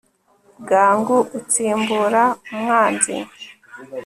bwangu utsimbura umwanzi